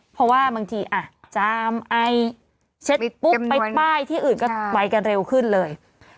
เพราะว่าบางทีจามไอเช็ดปุ๊บไปป้ายที่อื่นก็ไปกันเร็วขึ้นเลย